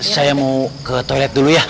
saya mau ke toilet dulu ya